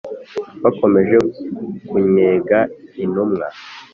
Bakomeje kunnyega intumwa